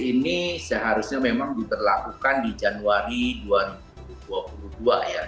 ini seharusnya memang diberlakukan di januari dua ribu dua puluh dua ya